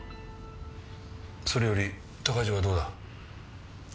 それより鷹城はどうだ？